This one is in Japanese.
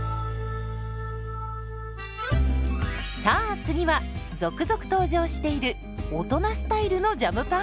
さあ次は続々登場している大人スタイルのジャムパン。